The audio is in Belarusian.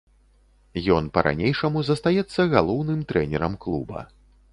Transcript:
Ён па-ранейшаму застаецца галоўным трэнерам клуба.